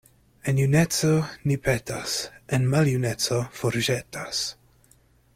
En juneco ni petas, en maljuneco forĵetas.